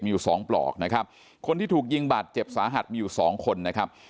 มีอยู่สองปลอกนะครับคนที่ถูกยิงบาดเจ็บสาหัสมีอยู่สองคนนะครับ